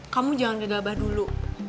kamu jangan gegabah dulu